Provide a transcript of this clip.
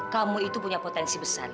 kamu itu punya potensi besar